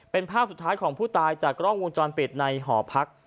เป็นภาพสุดท้ายของผู้ตายจากกล้องวงจรปิดในหอพัก